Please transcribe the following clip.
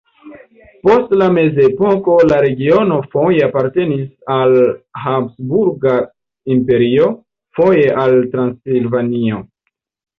Post la mezepoko la regiono foje apartenis al Habsburga Imperio, foje al Transilvanio.